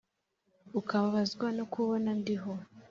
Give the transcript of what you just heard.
ukababazwa no kubona ndiho